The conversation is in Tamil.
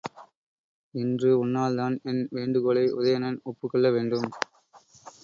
இன்று உன்னால்தான் என் வேண்டுகோளை உதயணன் ஒப்புக்கொள்ள வேண்டும்.